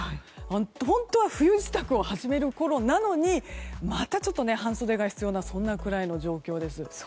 本当は冬支度を始めるころなのにまた、半袖が必要なそれくらいの状況です。